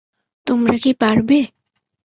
তোমরা কী পারবে?